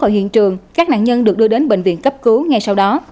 ở hiện trường các nạn nhân được đưa đến bệnh viện cấp cứu ngay sau đó